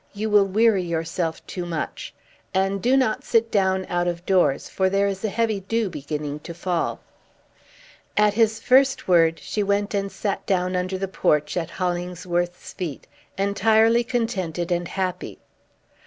You will weary yourself too much. And do not sit down out of doors, for there is a heavy dew beginning to fall." At his first word, she went and sat down under the porch, at Hollingsworth's feet, entirely contented and happy.